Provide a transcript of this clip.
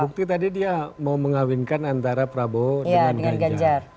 bukti tadi dia mau mengawinkan antara prabowo dengan ganjar